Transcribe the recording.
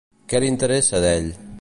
Què li interessa d'ell?